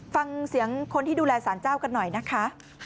ฟังเสียงคนที่ดูแลสารเจ้ากันหน่อยนะคะ